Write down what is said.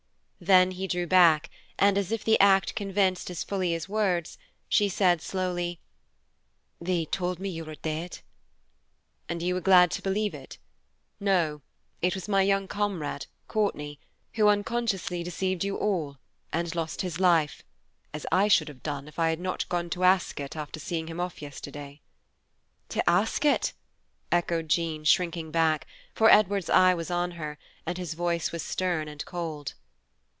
Then he drew back, and as if the act convinced as fully as words, she said slowly, "They told me you were dead." "And you were glad to believe it. No, it was my comrade, young Courtney, who unconsciously deceived you all, and lost his life, as I should have done, if I had not gone to Ascot after seeing him off yesterday." "To Ascot?" echoed Jean, shrinking back, for Edward's eye was on her, and his voice was stern and cold.